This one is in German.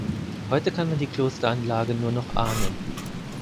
Heute kann man die Klosteranlage nur noch ahnen.